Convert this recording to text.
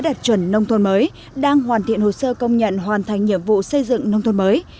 đạt chuẩn nông thôn mới đang hoàn thiện hồ sơ công nhận hoàn thành nhiệm vụ xây dựng nông thôn mới